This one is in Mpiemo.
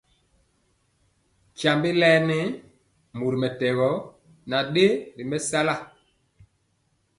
Tyiembé laɛ nɛ mori mɛtɛgɔ nan dɛ ri mɛsala.